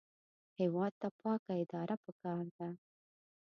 هېواد ته پاکه اداره پکار ده